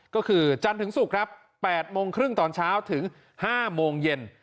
ก็คือจันทร์ถึงศุกร์ครับ๘โมงครึ่งตอนเช้าถึง๕โมงเย็น